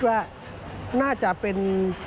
ก็คาดว่าน่าจะเป็น